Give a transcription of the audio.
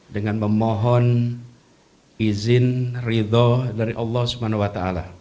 dengan memohon izin ridho dari allah swt